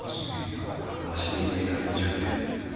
俺は鷲見組の犬じゃねえ。